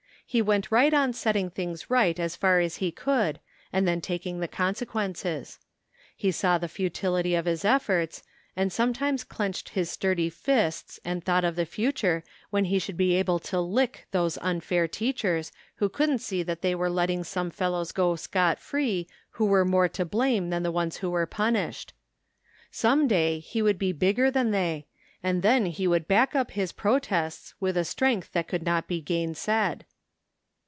He went right on setting things right as far as he could and then taking the consequences. He saw the futility of his efforts and sometimes clenched his sturdy fists and thought of the future when he should be able to " lick " those unfair teachers who couldn't see that they were letting some 146 THE FINDING OF JASPER HOLT fellows go scot free who were more to blame than the ones who were punished. Some day he would be bigger than they, and then he would back up his pro tests with a strength that could not be gainsaid.